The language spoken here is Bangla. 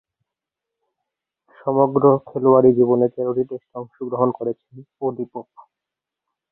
সমগ্র খেলোয়াড়ী জীবনে তেরোটি টেস্টে অংশগ্রহণ করেছেন অলি পোপ।